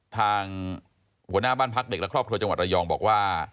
ทางหัวหน้าบ้านพักเด็กและครอบครัวจังหวัดระยองบอกว่า